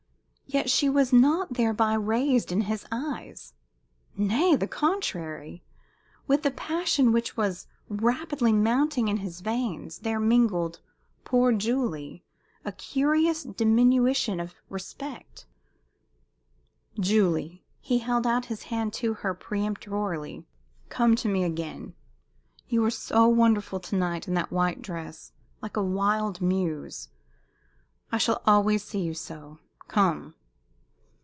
Yet she was not thereby raised in his eyes. Nay, the contrary. With the passion which was rapidly mounting in his veins there mingled poor Julie! a curious diminution of respect. "Julie!" He held out his hand to her peremptorily. "Come to me again. You are so wonderful to night, in that white dress like a wild muse. I shall always see you so. Come!"